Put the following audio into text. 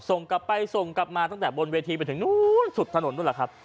ส่งกลับไปส่งกลับมาตั้งแต่บนเวทีไปถึงนู้นสุดถนนนู้นแหละครับ